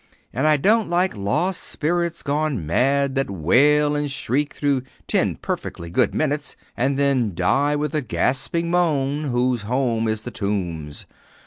And I don't like lost spirits gone mad that wail and shriek through ten perfectly good minutes, and then die with a gasping moan whose home is the tombs.